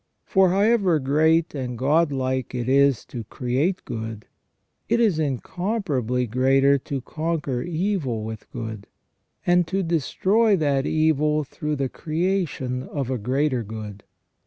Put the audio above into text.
For, however great and god like it is to create good, it is incomparably greater to conquer evil with good, and to destroy that evil through the creation of a greater good.